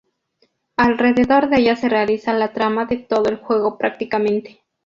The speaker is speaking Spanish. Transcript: Alrededor de ella se realiza la trama de todo el juego prácticamente.